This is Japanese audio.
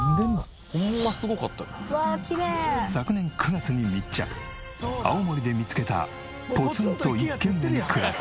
昨年９月に密着青森で見つけたポツンと一軒家に暮らす。